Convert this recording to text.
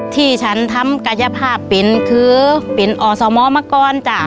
ที่ฉันทำกายภาพเป็นคือเป็นอสมมาก่อนจ้ะ